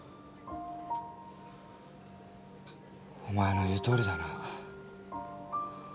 お前の言うとおりだな。